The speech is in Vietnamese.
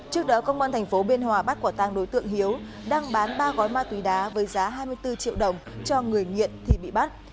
trước đó công an tp biên hòa bắt quả tang đối tượng hiếu đang bán ba gói ma túy đá với giá hai mươi bốn triệu đồng cho người nghiện thì bị bắt